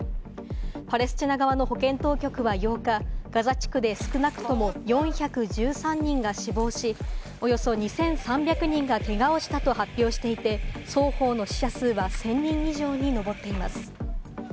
パレスチナ側の保健当局は８日、ガザ地区で少なくとも４１３人が死亡し、およそ２３００人がけがをしたと発表していて、双方の死者数は１０００人以上に上っています。